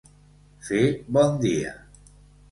Fer bon dia.